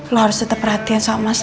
lo harus tetep perhatian sama mas al